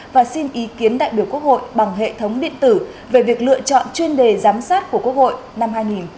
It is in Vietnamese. và xin ý kiến đại biểu quốc hội bằng hệ thống điện tử về việc lựa chọn chuyên đề giám sát của quốc hội năm hai nghìn hai mươi